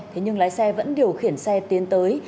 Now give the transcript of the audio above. thế nhưng lái xe vẫn điều khiển xe tiến tới